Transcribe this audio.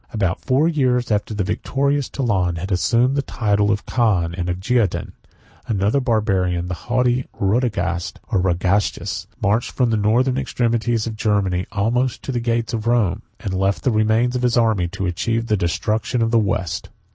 66 About four years after the victorious Toulun had assumed the title of Khan of the Geougen, another Barbarian, the haughty Rhodogast, or Radagaisus, 67 marched from the northern extremities of Germany almost to the gates of Rome, and left the remains of his army to achieve the destruction of the West.